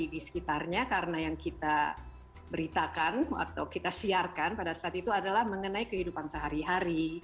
di sekitarnya karena yang kita beritakan atau kita siarkan pada saat itu adalah mengenai kehidupan sehari hari